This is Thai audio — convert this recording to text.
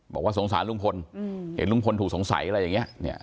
บอกว่าสงสารลุงพลเห็นลุงพลถูกสงสัยอะไรอย่างนี้